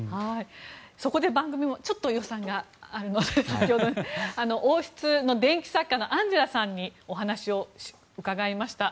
そこで番組もちょっと予算があるので王室の伝記作家のアンジェラさんにお話を伺いました。